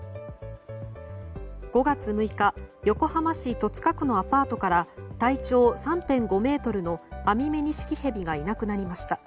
５月６日横浜市戸塚区のアパートから体長３．５ｍのアミメニシキヘビがいなくなりました。